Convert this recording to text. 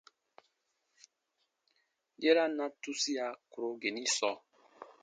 Yera na tusia kùro geni sɔɔ.